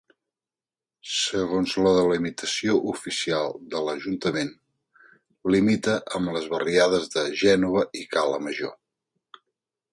Segons la delimitació oficial de l'ajuntament, limita amb les barriades de Gènova i Cala Major.